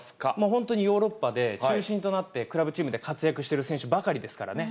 本当にヨーロッパで中心となってクラブチームで活躍している選手ばかりですからね。